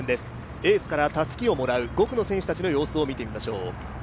エースからたすきをもらう５区の選手の様子を見てみましょう。